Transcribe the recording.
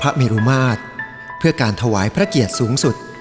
เมรุมาตรเพื่อการถวายพระเกียรติสูงสุด